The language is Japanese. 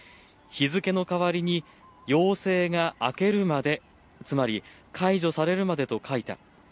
日付の代わりに要請が明けるまで、つまり解除されるまでと書いた。